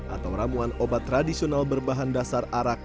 atau ramuan obat tradisional berbahan dasar arak